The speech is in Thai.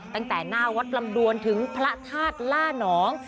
ตั้งแต่หน้าวัดลำดวนถึงพระธาตุล่านอง